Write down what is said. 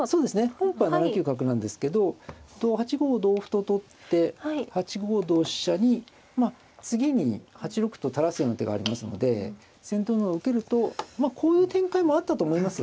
本譜は７九角なんですけど８五同歩と取って８五同飛車にまあ次に８六歩と垂らすような手がありますので先手の方は受けるとまあこういう展開もあったと思います。